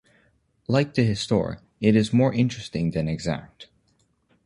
Like the "Histoire", it is more interesting than exact.